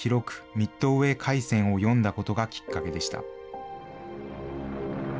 ミッドウェー海戦を読んだことがきっかけでした。